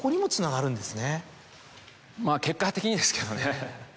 まぁ結果的にですけどね。